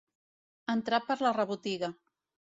Entrar per la rebotiga.